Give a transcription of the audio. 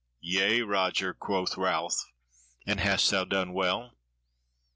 "Yea, Roger," quoth Ralph, "and hast thou done well?"